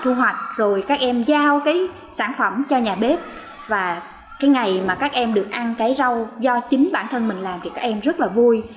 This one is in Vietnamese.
thu hoạch rồi các em giao cái sản phẩm cho nhà bếp và cái ngày mà các em được ăn cái rau do chính bản thân mình làm thì các em rất là vui